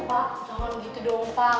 pak mohon gitu dong pak